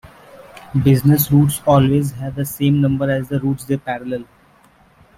Business routes always have the same number as the routes they parallel.